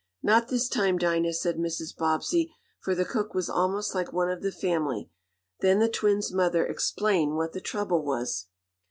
"Not this time, Dinah," said Mrs. Bobbsey, for the cook was almost like one of the family. Then the twins' mother explained what the trouble was.